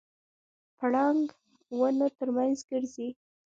پړانګ ونو ترمنځ ګرځي.